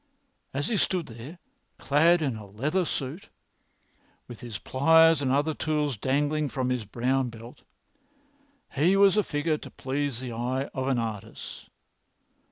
As he stood there, clad in a leather suit, with his pliers and other tools dangling from his brown belt, he was a figure to please the eye of an artist.